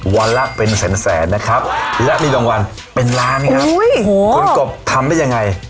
วันละเป็นแสนแสนนะครับและมีรางวัลเป็นล้านครับคุณกบทำได้ยังไง